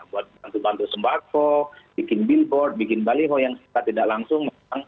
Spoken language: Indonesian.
buat bantu bantu sembako bikin billboard bikin baliho yang secara tidak langsung memang